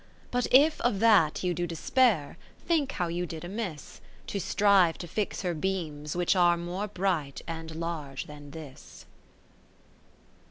IV But if of that you do despair, Think how you did amiss. To strive to fix her beams which are More bright and large than this.